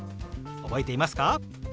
覚えていますか？